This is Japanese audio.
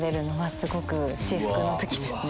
すごく至福の時ですね。